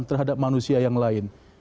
atau dia seperti manusia yang lain